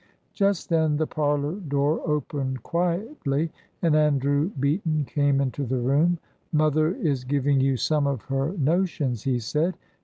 Just then the parlour door opened quietly, and Andrew Beaton came into the room. "Mother is giving you some of her notions," he said.